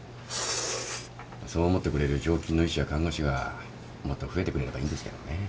そう思ってくれる常勤の医師や看護師がもっと増えてくれればいいんですけどね。